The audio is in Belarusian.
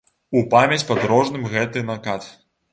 У памяць падарожным гэты накат.